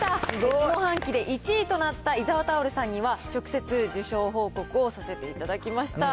下半期で１位となった伊澤タオルさんには、直接、受賞報告をさせていただきました。